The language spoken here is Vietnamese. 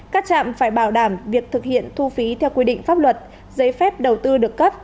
các trạm phải bảo đảm việc thực hiện thu phí theo quy định pháp luật giấy phép đầu tư được cấp